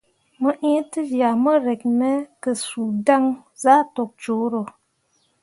Mo ĩĩ tezyah mo rǝk me ke suu dan zah tok cuuro.